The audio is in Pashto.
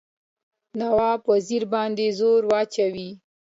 نواب وزیر باندي زور واچوي.